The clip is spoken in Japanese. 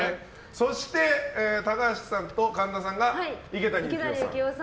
そして、高橋さんと神田さんが池谷幸雄さん。